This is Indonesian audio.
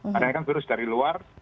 karena kan virus dari luar